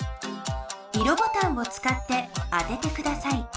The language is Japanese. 色ボタンをつかって当ててください。